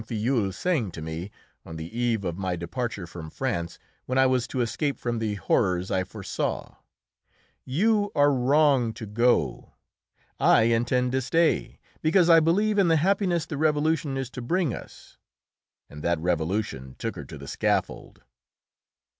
Filleul saying to me, on the eve of my departure from France, when I was to escape from the horrors I foresaw: "You are wrong to go. I intend to stay, because I believe in the happiness the Revolution is to bring us." And that Revolution took her to the scaffold!